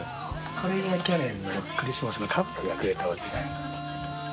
これが去年のクリスマスのカップルがくれたお手紙。